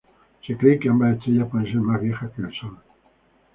Se cree que ambas estrellas pueden ser más viejas que el Sol.